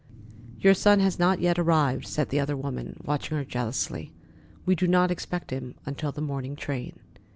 "Your son has not yet arrived," said the other woman, watching her jealously. "We do not expect him until the morning train."